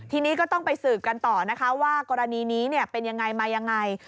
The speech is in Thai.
ทีนี้ก็ต้องไปสืบกันต่อว่ากรณีนี้เป็นอย่างไรมาอย่างไร